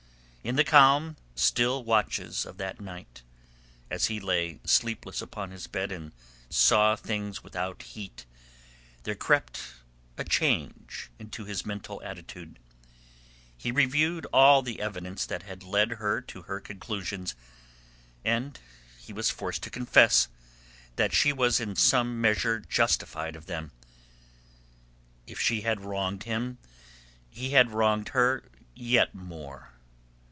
In the calm, still watches of that night, as he lay sleepless upon his bed and saw things without heat, there crept a change into his mental attitude. He reviewed all the evidence that had led her to her conclusions, and he was forced to confess that she was in some measure justified of them. If she had wronged him, he had wronged her yet more.